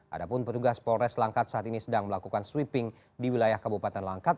adapun petugas polres langkat saat ini sedang melakukan sweeping di wilayah kabupaten langkat